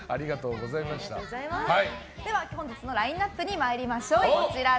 本日のラインアップに参りましょう。